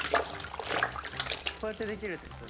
こうやってできるってこと？